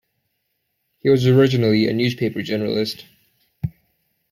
He was originally a newspaper journalist.